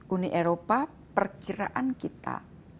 uni eropa perkiraan kita